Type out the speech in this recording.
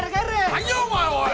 何やお前おい！